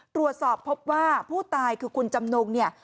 ตรวจสอบพบว่าผู้ตายคือคุณจำนงเนี่ย